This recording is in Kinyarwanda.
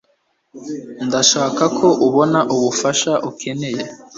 ndashaka ko ubona ubufasha ukeneye